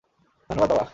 ধন্যবাদ, বাবা!